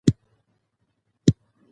زه له بې فایدې خبرو څخه ځان ساتم.